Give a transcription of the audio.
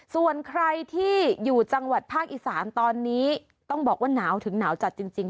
ส่วนใครที่อยู่จังหวัดภาคอีสานตอนนี้ต้องบอกว่าหนาวถึงหนาวจัดจริง